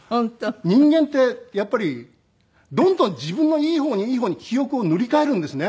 人間ってやっぱりどんどん自分のいい方にいい方に記憶を塗り替えるんですね。